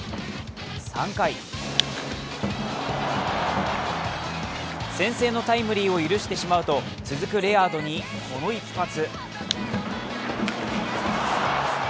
３回、先制のタイムリーを許してしまうと、続くレアードにこの一発。